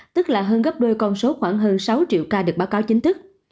tức là hơn gấp đôi con số khoảng hơn sáu triệu ca được báo cáo chính thức